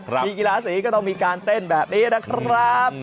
มีกีฬาสีก็ต้องมีการเต้นแบบนี้นะครับ